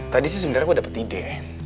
tadi sih sebenernya aku dapet ide